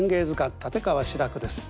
立川志らくです。